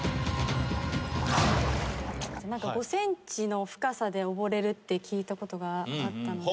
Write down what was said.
５ｃｍの深さで溺れるって聞いたことがあったので。